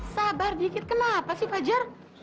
sabar dikit kenapa sih fajar